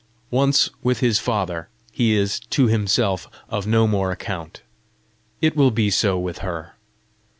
Once with his father, he is to himself of no more account. It will be so with her."